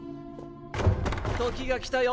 時が来たよ